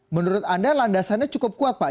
menurut anda landasannya cukup kuat pak